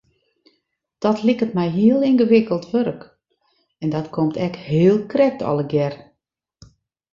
Dat liket my heel yngewikkeld wurk en dat komt ek heel krekt allegear.